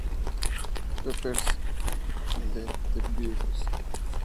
Pepper's" de The Beatles.